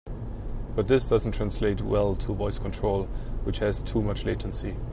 But this doesn't translate well to voice control, which has too much latency.